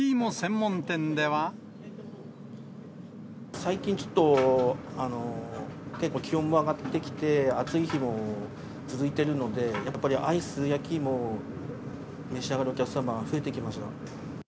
最近、ちょっと結構気温も上がってきて、暑い日も続いてるので、やっぱりアイス焼き芋を召し上がるお客様が増えてきました。